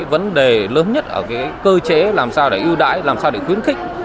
vấn đề lớn nhất ở cơ chế làm sao để ưu đãi làm sao để khuyến khích